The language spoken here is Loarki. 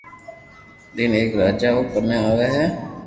دن ايڪ راجا او ڪني آوي ھي